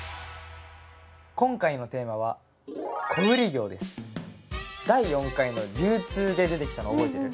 今回のテーマは第４回の流通で出てきたのを覚えてる？